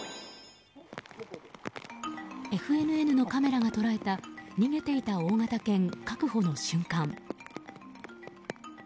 ＦＮＮのカメラが捉えた逃げていた大型犬、確保の瞬間。